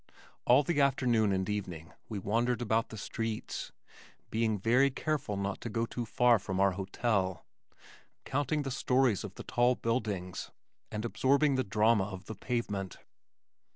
All the afternoon and evening we wandered about the streets (being very careful not to go too far from our hotel), counting the stories of the tall buildings, and absorbing the drama of the pavement.